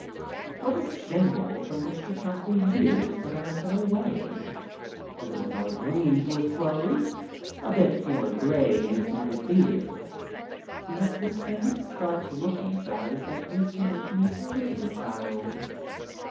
What a symbol from which to count the years that I had been away. A little more green to his clothes. A bit more gray in his matted beard. He has that same stark look in his eyes that used to make me sick as a child.